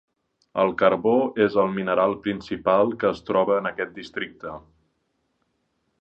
El carbó és el mineral principal que es troba en aquest districte.